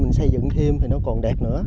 mình xây dựng thêm thì nó còn đẹp nữa